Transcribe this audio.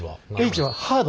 Ｈは「ハード」。